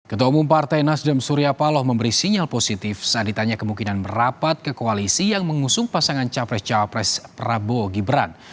ketua umum partai nasdem surya paloh memberi sinyal positif saat ditanya kemungkinan merapat ke koalisi yang mengusung pasangan capres cawapres prabowo gibran